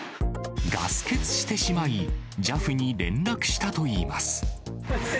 ガス欠してしまい、ＪＡＦに連絡したといいます。